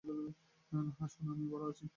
হ্যাঁ সোনা, আমিও ভালো আছি।